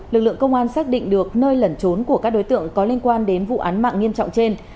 lực lượng công an xác định được nơi lẩn trốn của các đối tượng có liên quan đến vụ án mạng nghiêm trọng trên